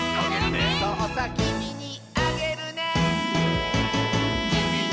「そうさきみにあげるね」